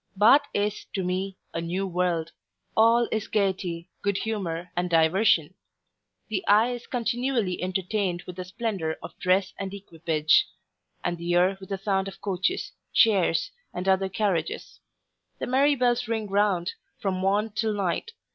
Bath is to me a new world All is gayety, good humour, and diversion. The eye is continually entertained with the splendour of dress and equipage; and the ear with the sound of coaches, chairs, and other carriages. The merry bells ring round, from morn till night.